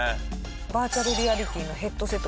バーチャルリアリティーのヘッドセット